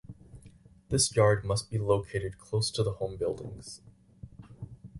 This yard must be located close to the home buildings.